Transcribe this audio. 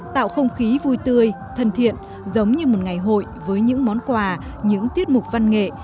tạo không khí vui tươi thân thiện giống như một ngày hội với những món quà những tiết mục văn nghệ